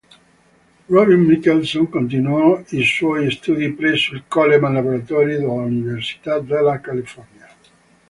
Robin Michelson continuò i suoi studi presso il Coleman Laboratory dell'Università della California.